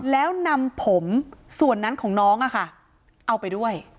แล้วนำผมส่วนนั้นของน้องเอาไปด้วย